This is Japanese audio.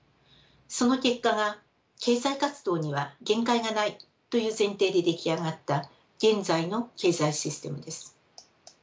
その結果が経済活動には限界がないという前提で出来上がった現在の経済システムです。